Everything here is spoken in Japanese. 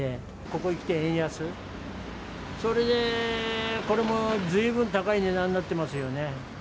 ここへきて円安、それでこれもずいぶん高い値段になってますよね。